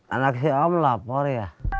anak saya om lapor ya